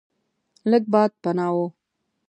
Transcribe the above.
لږ باد پناه و.